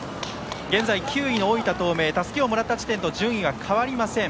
現在、９位の大分東明たすきをもらった時点と順位は変わりません。